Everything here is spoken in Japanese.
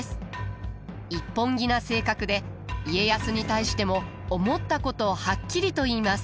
一本気な性格で家康に対しても思ったことをはっきりと言います。